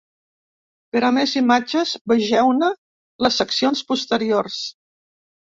Per a més imatges vegeu-ne les seccions posteriors.